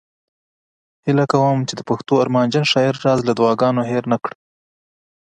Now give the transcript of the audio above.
هیله کوم چې د پښتنو ارمانجن شاعر راز له دعاګانو هیر نه کړي